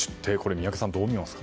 宮家さん、どう見ますか？